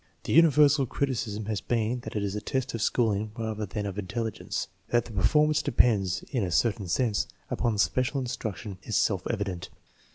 The universal criticism has been that it is a test of schooling rather than of intelli gence. That the performance depends, in a certain sense, upon special instruction is self evident.